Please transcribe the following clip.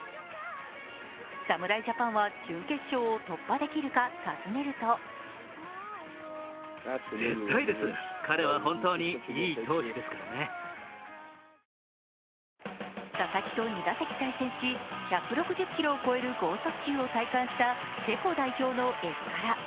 侍ジャパンは準決勝を突破できるか尋ねると佐々木と２打席対戦し、１６０キロを超える剛速球を体感したチェコ代表のエスカラ。